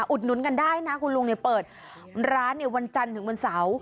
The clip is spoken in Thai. อุดหนุนกันได้นะคุณลุงเปิดร้านวันจันทร์ถึงวันเสาร์